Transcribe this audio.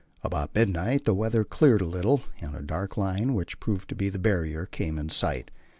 About midnight the weather cleared a little, and a dark line, which proved to be the Barrier, came in sight.